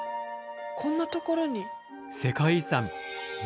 こんなところに。